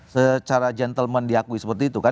secara gentleman diakui seperti itu kan